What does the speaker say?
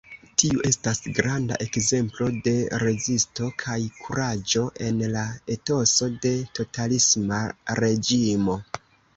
Tiu estas granda ekzemplo de rezisto kaj kuraĝo en la etoso de totalisma reĝimo.